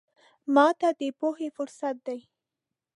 ماته د پوهې فرصت دی.